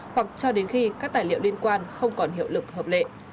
hoặc cho đến khi các tài liệu liên quan không còn hiệu lực hợp lệ